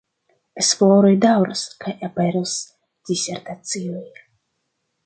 Esploroj daŭras kaj aperos disertacioj.